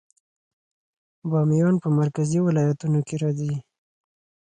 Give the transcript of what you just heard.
بامیان په مرکزي ولایتونو کې راځي